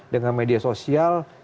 dengan media sosial